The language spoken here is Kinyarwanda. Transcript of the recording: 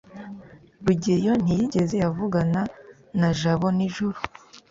rugeyo ntiyigeze avugana na jabo nijoro